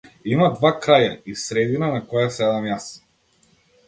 Има два краја и средина на која седам јас.